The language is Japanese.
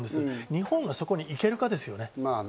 日本がそこにいけるかですね。